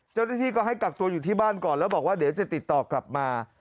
เจ้าหน้าที่ก็ให้กักตัวอยู่ที่บ้านก่อนแล้วบอกว่าเดี๋ยวจะติดต่อกลับมา